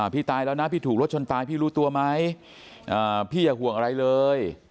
พี่ตายแล้วนะพี่ถูกรถชนตายพี่รู้ตัวไหมพี่อย่าห่วงอะไรเลย